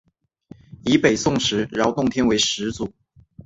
以北宋时的饶洞天为始祖。